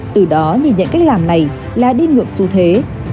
từ đó nhìn nhận cách làm này là đi ngược xu thế